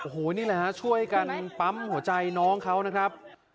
โอ้โหนี่แหละฮะช่วยกันปั๊มหัวใจน้องเขานะครับ